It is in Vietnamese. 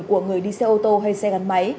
của người đi xe ô tô hay xe gắn máy